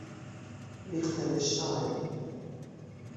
لیختناشتاین